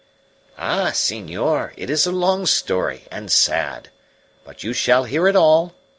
"Ah, senor, it is a long story, and sad. But you shall hear it all.